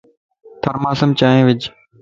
ٿرماس مَ چائي وج